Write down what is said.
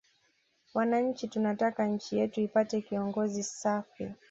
Wananchi tunataka nchi yetu ipate kiongozi safi